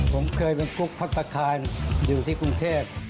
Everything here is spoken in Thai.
ผมเคยเป็นครูปพัฒนาคารอยู่ที่กรุงเทพฯ